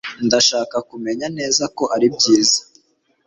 Ndashaka kumenya neza ko ari byiza.